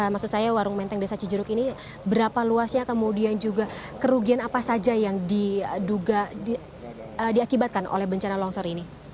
maksud saya warung menteng desa cijeruk ini berapa luasnya kemudian juga kerugian apa saja yang diakibatkan oleh bencana longsor ini